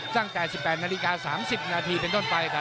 ตั้งแต่๑๘นาฬิกา๓๐นาทีเป็นต้นไปครับ